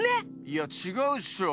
いやちがうっしょ。